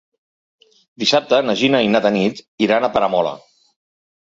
Dissabte na Gina i na Tanit iran a Peramola.